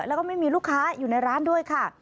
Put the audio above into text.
แล้วก็ไม่มีลูกค้าอยู่ในร้านด้วยค่ะ